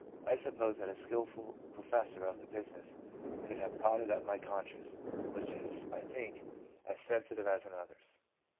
I suppose that a skilful professor of the busi ness could have prodded up my conscience, which is, I think, as sensitive as another's.